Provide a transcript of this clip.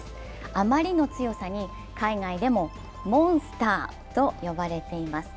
あまりの強さに海外でもモンスターと呼ばれています。